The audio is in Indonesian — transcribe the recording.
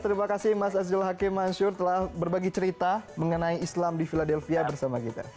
terima kasih mas azul hakim mansyur telah berbagi cerita mengenai islam di philadelphia bersama kita